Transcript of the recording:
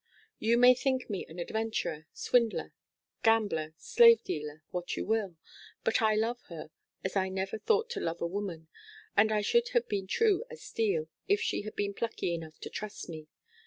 You may think me an adventurer swindler gambler slave dealer what you will but I love her as I never thought to love a woman, and I should have been true as steel, if she had been plucky enough to trust me.